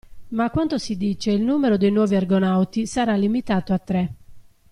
Ma a quanto si dice il numero dei nuovi Argonauti sarà limitato a tre.